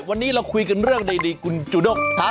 วันนี้เราคุยกันเรื่องดีคุณจูด้ง